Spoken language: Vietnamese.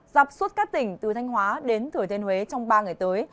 dọc suốt các tỉnh từ thanh hóa đến thừa thiên huế trong ba ngày tới